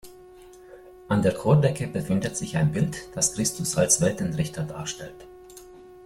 An der Chordecke befindet sich ein Bild, das Christus als Weltenrichter darstellt.